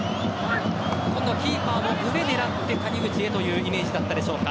今度はキーパーの上を狙って谷口へというイメージだったでしょうか。